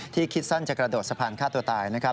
คิดสั้นจะกระโดดสะพานฆ่าตัวตายนะครับ